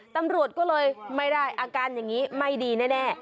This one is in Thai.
ตำรวจก็เลยไม่ได้อาการอย่างนี้ไม่ดีแน่